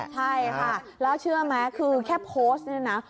ใช่ค่ะแล้วเชื่อไหมคือแค่โพสต์เนี่ยนะ